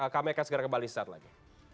kami akan segera kembali saat lagi